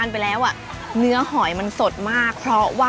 เนื้อหอยมันสดไปแล้ว